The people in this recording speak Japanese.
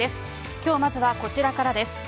きょうまずはこちらからです。